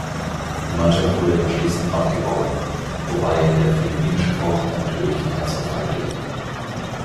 Die Mannschaft wurde anschließend abgeborgen, wobei der philippinische Koch einen tödlichen Herzinfarkt erlitt.